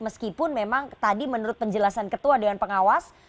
meskipun memang tadi menurut penjelasan ketua dewan pengawas